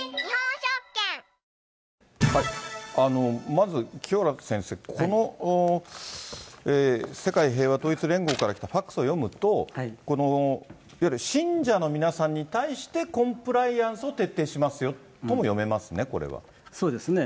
まず清原先生、この世界平和統一連合から来たファックスを読むと、このいわゆる信者の皆さんに対して、コンプライアンスを徹底しますよとも読めますね、これね。